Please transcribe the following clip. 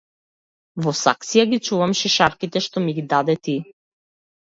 Во саксија ги чувам шишарките што ми ги даде ти.